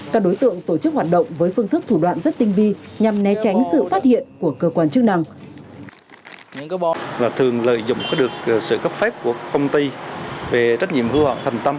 các đối tượng tổ chức hoạt động với phương thức thủ đoạn rất tinh vi nhằm né tránh sự phát hiện của cơ quan chức năng